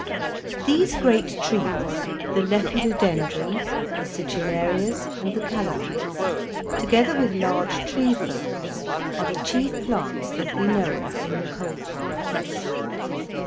These great trees, the Lepidodendrons, the Sigillarias, and the Calamites, together with large tree ferns, are the chief plants that we know of in the coal forests.